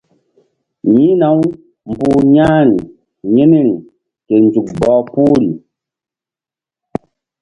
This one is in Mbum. Yi̧hna-u mbu̧h ya̧hri yi̧nri ke nzuk bɔh puhri.